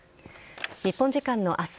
日本時間の明日